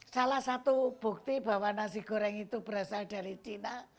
salah satu bukti bahwa nasi goreng itu berasal dari cina